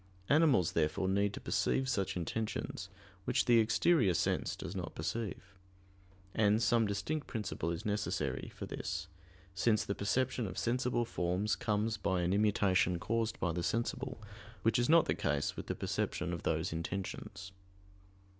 Animals, therefore, need to perceive such intentions, which the exterior sense does not perceive. And some distinct principle is necessary for this; since the perception of sensible forms comes by an immutation caused by the sensible, which is not the case with the perception of those intentions.